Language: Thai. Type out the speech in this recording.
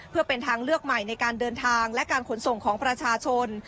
เพื่อเป็นทางเลือกใหม่ในการเดินทางและการขนส่งของประชาชน